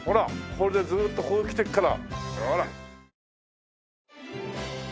これでずっとこう来てから。